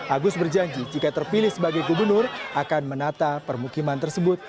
agus berjanji jika terpilih sebagai gubernur akan menata permukiman tersebut